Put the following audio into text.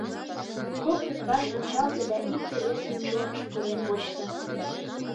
Коктын ваш ончалза да икте-весын чоныш пурен вочса...